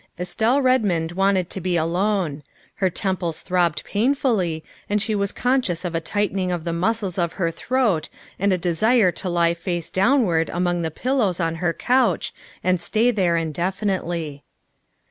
Estelle Redmond wanted to be alone. Her temples throbbed painfully and she was conscious of a tight ening of the muscles of her throat and a desire to lie face downward among the pillows on her couch and stay there indefinitely.